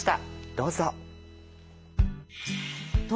どうぞ。